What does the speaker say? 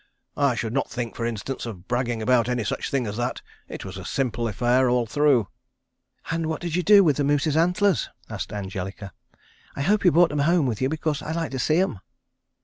"I should not think, for instance, of bragging about any such thing as that. It was a simple affair all through." "And what did you do with the moose's antlers?" asked Angelica. "I hope you brought 'em home with you, because I'd like to see 'em."